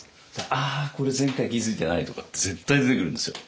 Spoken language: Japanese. あこれ前回気付いてないとか絶対出てくるんですよ。